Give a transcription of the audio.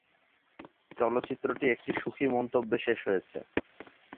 চলচ্চিত্রটি একটি সুখী মন্তব্যে শেষ হয়েছে।